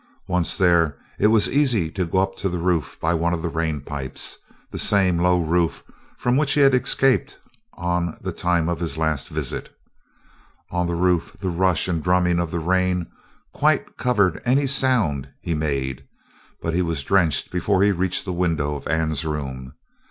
Once there, it was easy to go up to the roof by one of the rain pipes, the same low roof from which he had escaped on the time of his last visit. On the roof the rush and drumming of the rain quite covered any sound he made, but he was drenched before he reached the window of Anne's room.